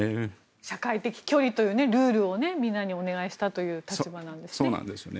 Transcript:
社会的距離というルールを皆さんにお願いしていた立場ですね。